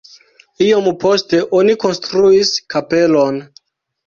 Iom poste oni konstruis kapelon.